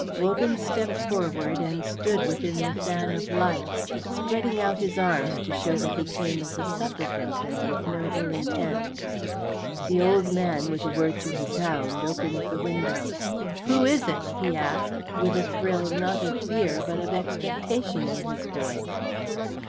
Wogan stepped forward and stood within the fan of light, spreading out his arms to show that he came as a supplicant and with no ill intent. The old man, with a word to his hound, opened the window. "Who is it?" he asked, and with a thrill not of fear but of expectation in his voice.